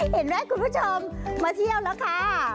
เห็นไหมคุณผู้ชมมาเที่ยวแล้วค่ะ